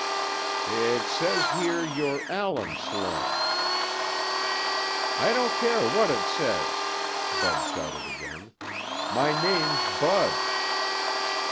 "It says here you're Allan Sloan." "I don't care what it says!" Bud shouted again. "My name's Bud!"